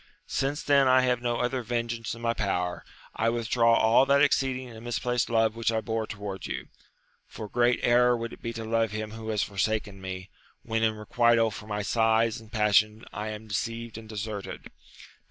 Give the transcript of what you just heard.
Since then I have no other vengeance in my power, I withdraw all that ex ceeding and misplaced love which I bore towards you ; for great error would it be to love him who has for saken me, when in requital for my sighs and passion I am deceived and deserted.